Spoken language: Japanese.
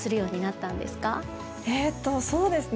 えっとそうですね